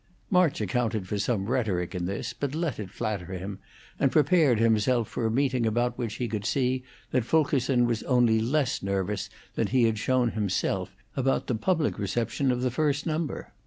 March accounted for some rhetoric in this, but let it flatter him, and prepared himself for a meeting about which he could see that Fulkerson was only less nervous than he had shown himself about the public reception of the first number.